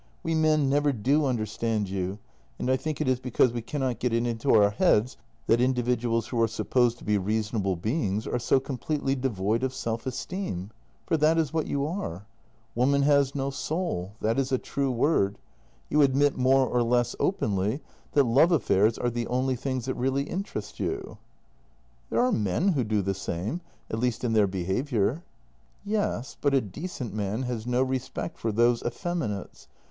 We men never do understand you, and I think it is because we cannot get it into our heads that individuals who are supposed to be reasonable beings are so completely devoid of self esteem, for that is what you are. Woman has no soul — that is a true word. You admit more or less openly that love affairs are the only things that really interest you." " There are men who do the same — at least in their be haviour."' " Yes, but a decent man has no respect for those effeminates.